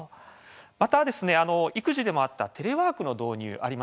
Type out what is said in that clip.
また、育児でもあったテレワークの導入